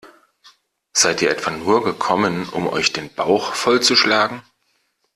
Seid ihr etwa nur gekommen, um euch den Bauch vollzuschlagen?